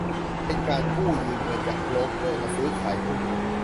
เป็นการกู้ยืมเงินจากโบรกเกอร์มาซื้อขายหุ้น